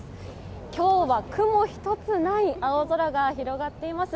今日は雲一つない青空が広がっています。